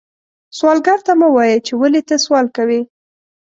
سوالګر ته مه وایې چې ولې ته سوال کوې